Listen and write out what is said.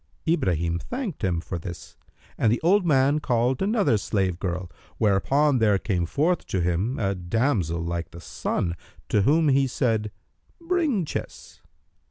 Ibrahim thanked him for this and the old man called another slave girl, whereupon there came forth to him a damsel like the sun, to whom said he, "Bring chess."